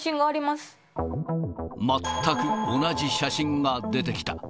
全く同じ写真が出てきた。